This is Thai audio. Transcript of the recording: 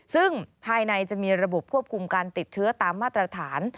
ซึ่งภายในจะมีระบบควบคุมการติดเชื้อตามมาตรฐาน